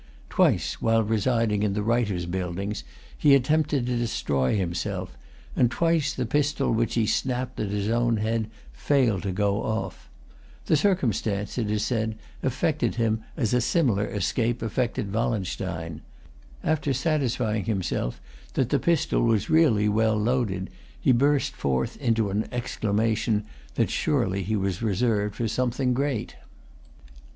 Twice, while residing in the Writers' Buildings, he attempted to destroy himself; and twice the pistol which he snapped at his own head failed to go off. This circumstance, it is said, affected him as a similar escape affected Wallenstein. After satisfying himself that the pistol was really well loaded, he burst forth into an exclamation that surely he was reserved for something great.